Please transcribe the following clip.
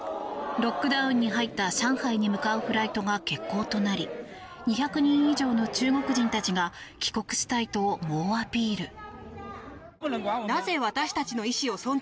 ロックダウンに入った上海に向かうフライトが欠航となり２００人以上の中国人たちが帰国したいと猛アピール。